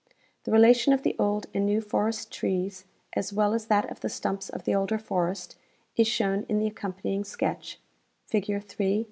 The relation of the old and new forest trees, as well as that of the stumps of the older forest, is shown in the accompanying sketch (figure 3).